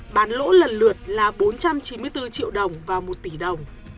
bán lỗ lần lượt là bốn trăm chín mươi bốn triệu đồng và một tỷ đồng